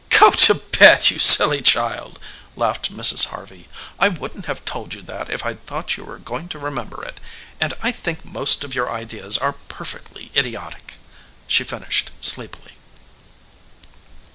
"Go to bed, you silly child," laughed Mrs. Harvey. "I wouldn't have told you that if I'd thought you were going to remember it. And I think most of your ideas are perfectly idiotic," she finished sleepily.